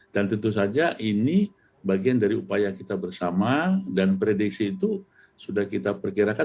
dan tentu saja ini bagian dari upaya kita bersama dan prediksi itu sudah kita perkirakan